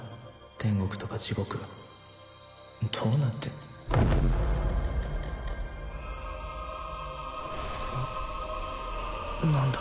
天国とか地獄どうなって何だ？